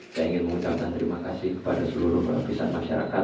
saya ingin mengucapkan terima kasih kepada seluruh lapisan masyarakat